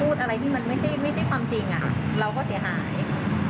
อะไรที่มันไม่ใช่ความจริงเราก็เสียหาย